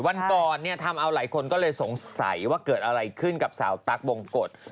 วันก่อนเนี่ยทำเอาหลายคนก็เลยสงสัยว่าเกิดอะไรขึ้นกับสาวตั๊กบงกฎ